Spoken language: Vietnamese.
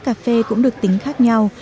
các quán cà phê cũng được tính khác nhau